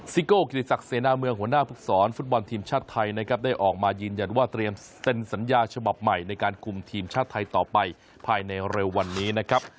โก้กิติศักดิ์เสนาเมืองหัวหน้าภึกศรฟุตบอลทีมชาติไทยนะครับได้ออกมายืนยันว่าเตรียมเซ็นสัญญาฉบับใหม่ในการคุมทีมชาติไทยต่อไปภายในเร็ววันนี้นะครับ